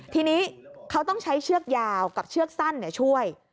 ทีนี้เขาต้องใช้เชือกยาวกับเชือกสั้นช่วย